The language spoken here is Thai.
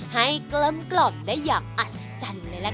ให้กล้ำกล่อมได้อย่างอัศจรรย์เลยละค่ะ